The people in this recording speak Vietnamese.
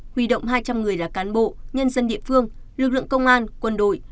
huy động hai trăm linh người là cán bộ nhân dân địa phương lực lượng công an quân đội